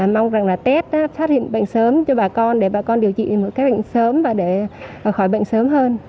mong rằng là tết phát hiện bệnh sớm cho bà con để bà con điều trị một cách bệnh sớm và để khỏi bệnh sớm hơn